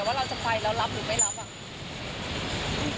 ว่าเราจะไปเราจะรับหรือไม่รับ